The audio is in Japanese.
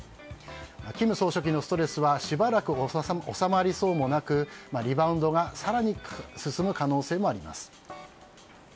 金総書記のストレスはしばらく収まりそうもなく、リバウンドが更に進む可能性があります。